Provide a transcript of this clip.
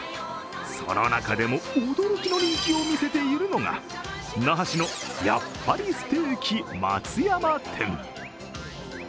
その中でも驚きの人気を見せているのが那覇市のやっぱりステーキ松山店。